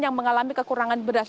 yang mengalami kekurangan beras